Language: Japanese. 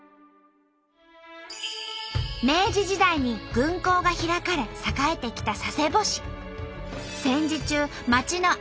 明治時代に軍港が開かれ栄えてきた佐世保市。